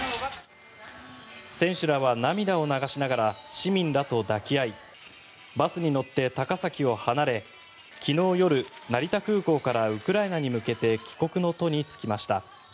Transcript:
選手らは涙を流しながら市民らと抱き合いバスに乗って高崎を離れ昨日夜、成田空港からウクライナに向けて帰国の途に就きました。